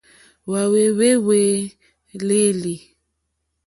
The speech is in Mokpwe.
Hwáhwɛ̂hwɛ́ hwàlêlì.